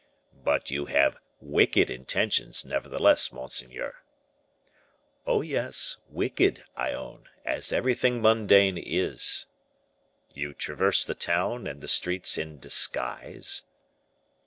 "But you have wicked intentions, nevertheless, monseigneur." "Oh, yes, wicked, I own, as everything mundane is." "You traverse the town and the streets in disguise?"